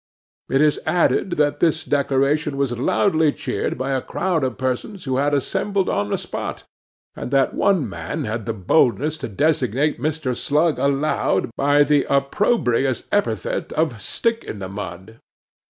It is added that this declaration was loudly cheered by a crowd of persons who had assembled on the spot; and that one man had the boldness to designate Mr. Slug aloud by the opprobrious epithet of "Stick in the mud!"